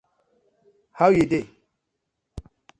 How yu dey?